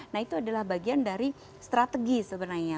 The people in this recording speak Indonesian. nah itu adalah bagian dari strategi sebenarnya